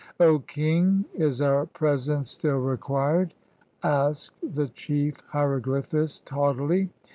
"O king, is our presence still required?" asked the chief hierogl^phist, haughtily.